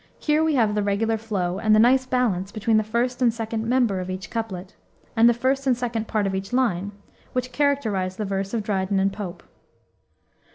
Here we have the regular flow, and the nice balance between the first and second member of each couplet, and the first and second part of each line, which characterized the verse of Dryden and Pope.